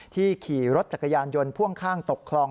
ขี่รถจักรยานยนต์พ่วงข้างตกคลอง